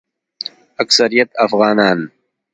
اکثریت افغانان